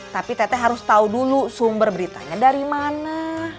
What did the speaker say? tapi tete harus tahu dulu sumber beritanya dari mana